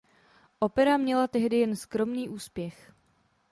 Opera měla tehdy jen skromný úspěch.